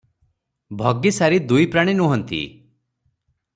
ଭଗି ସାରୀ ଦୁଇପ୍ରାଣୀ ନୁହଁନ୍ତି ।